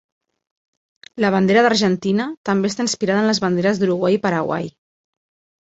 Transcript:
La bandera d"Argentina també està inspirada en les banderes d"Uruguai i Paraguai.